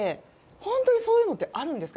本当にそういうのってあるんですか？